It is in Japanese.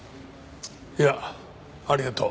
いやありがとう。